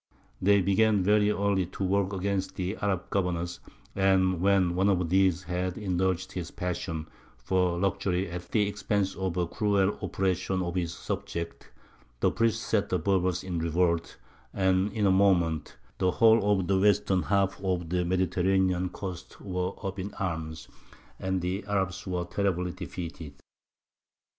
They began very early to work against the Arab governors, and when one of these had indulged his passion for luxury at the expense of a cruel oppression of his subjects, the priests set the Berbers in revolt, and in a moment the whole of the western half of the Mediterranean coast was up in arms, and the Arabs were terribly defeated.